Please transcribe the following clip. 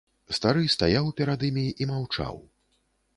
Стары стаяў перад імі і маўчаў.